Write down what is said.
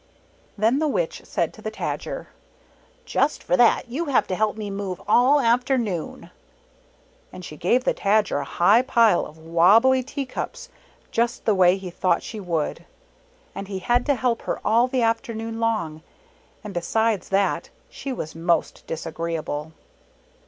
Then the Witch said to the Tajer, " Just for that you have to help me move all afternoon." And she gave the Tajer a high pile of wobbly tea cups just the way he thought she would, and he had to help 23 her all the afternoon long, and besides that, she was most disagreeable.